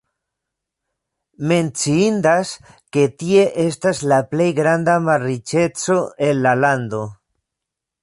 Menciindas, ke tie estas la plej granda malriĉeco en la lando.